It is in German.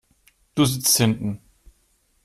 Du sitzt hinten.